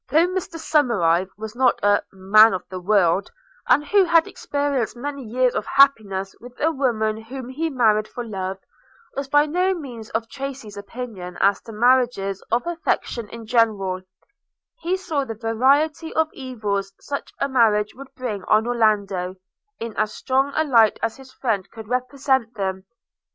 Though Mr Somerive, who was not a 'man of the world,' and who had experienced many years of happiness with a woman whom he married for love, was by no means of Tracy's opinion as to marriages of affection in general, he saw the variety of evils such a marriage would bring on Orlando, in as strong a light as his friend could represent them.